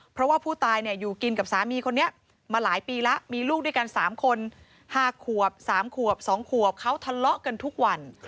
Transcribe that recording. เพราะว่าผู้ตายอยู่กินกับสามีคนนี้มาหลายปีแล้วมีลูกด้วยกัน๓คน๕ขวบ๓ขวบ๒ขวบเขาทะเลาะกันทุกวัน